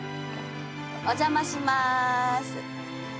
お邪魔します。